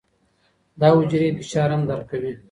دا حجرې فشار هم درک کوي.